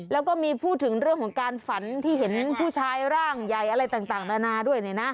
แล้วก็มีพูดถึงเรื่องของการฝันที่เห็นผู้ชายร่างใหญ่อะไรต่างนานาด้วย